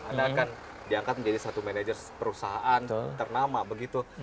anda akan diangkat menjadi satu manajer perusahaan ternama begitu